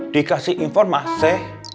di kasih informase